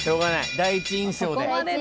第一印象で。